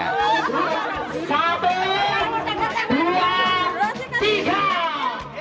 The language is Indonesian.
satu dua tiga